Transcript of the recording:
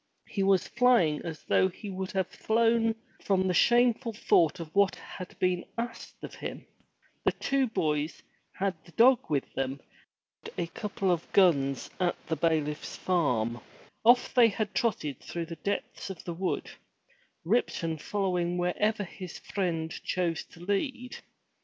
He was flying as though he would have flown from the shameful thought of what had been asked of him. The two boys had the dog with them and had borrowed a couple of guns at the bailiff's farm. Off they trotted through the depths of the wood, Ripton following wherever his friend chose to lead.